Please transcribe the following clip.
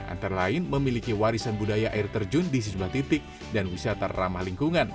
antara lain memiliki warisan budaya air terjun di sejumlah titik dan wisata ramah lingkungan